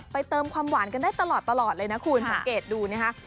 เติมความหวานกันได้ตลอดเลยนะคุณสังเกตดูนะคะ